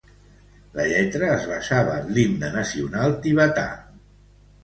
La lletra es basava en l'himne nacional tibetà.